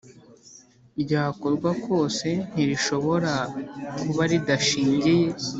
Ryakorwa kose ntirishobora kuba ridashingiye